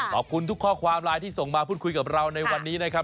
ขอบคุณทุกข้อความไลน์ที่ส่งมาพูดคุยกับเราในวันนี้นะครับ